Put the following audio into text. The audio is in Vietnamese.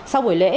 sau buổi lễ